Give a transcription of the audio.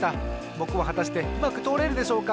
ぼくははたしてうまくとおれるでしょうか。